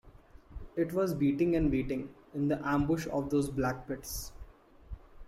It was beating and waiting in the ambush of those black pits.